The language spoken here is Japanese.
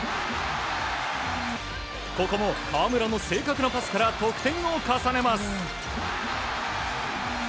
ここも河村の正確なパスから得点を重ねます。